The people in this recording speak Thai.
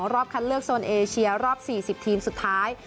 รอบคัดเลือกโซนเอเชียรอบ๔๐ทีมสุดท้าย